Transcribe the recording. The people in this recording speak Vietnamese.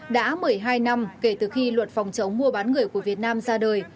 đã một mươi hai năm kể từ khi luật phòng chống mua bán người của việt nam ra đời